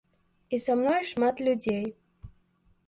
І са мной шмат людзей.